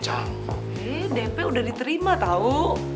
eh dp udah diterima tahu